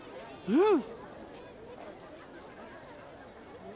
うん。